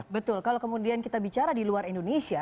betul kalau kemudian kita bicara di luar indonesia